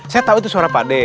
saya tahu itu suara pak de